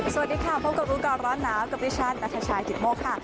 สวัสดีค่ะพบกับรู้ก่อนร้อนหนาวกับดิฉันนัทชายกิตโมกค่ะ